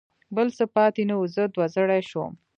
بل څه پاتې نه و، زه دوه زړی شوم.